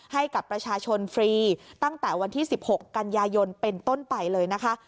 ให้กับประชาชนฟรีตั้งแต่วันที่๑๖กันยายนเป็นต้นไปเลยนะคะ